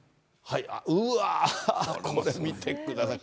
うわー、これ見てください。